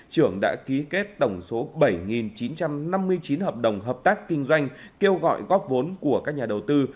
trưởng đã ký kết tổng số bảy chín trăm năm mươi chín hợp đồng hợp tác kinh doanh kêu gọi góp vốn của các nhà đầu tư